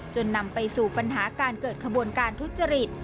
นำไปสู่ปัญหาการเกิดขบวนการทุจริต